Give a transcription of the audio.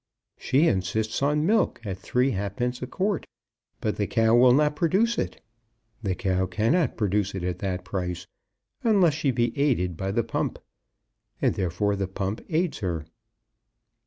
She insists on milk at three halfpence a quart; but the cow will not produce it. The cow cannot produce it at that price, unless she be aided by the pump; and therefore the pump aids her.